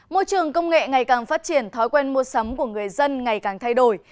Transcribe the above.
môi trường công nghệ ngày càng phát triển thói quen mua sắm của người dân ngày càng thay đổi